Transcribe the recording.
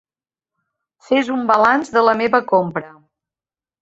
Fes un balanç de la meva compra.